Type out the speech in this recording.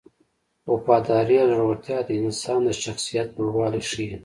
وفاداري او زړورتیا د انسان د شخصیت لوړوالی ښيي.